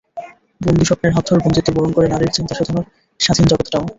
বন্দী স্বপ্নের হাত ধরে বন্দিত্ব বরণ করে নারীর চিন্তা-চেতনার স্বাধীন জগৎটাও।